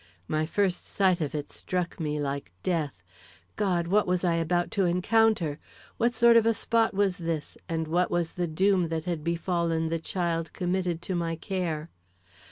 My first sight of it struck me like death. God, what was I about to encounter! What sort of a spot was this, and what was the doom that had befallen the child committed to my care.